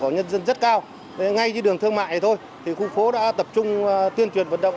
ngay trên đường thương mại thôi khu phố đã tập trung tuyên truyền vận động